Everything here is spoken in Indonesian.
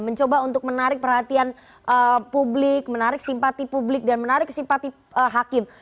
mencoba untuk menarik perhatian publik menarik simpati publik dan menarik simpati hakim